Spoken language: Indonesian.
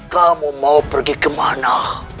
kamu mau pergi kemana